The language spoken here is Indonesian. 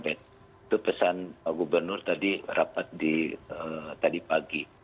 itu pesan pak gubernur tadi rapat di tadi pagi